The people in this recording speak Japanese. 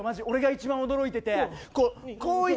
俺が一番驚いてて。